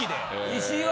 石井は？